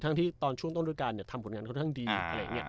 ที่ตอนช่วงต้นด้วยการทำผลงานค่อนข้างดีอะไรอย่างนี้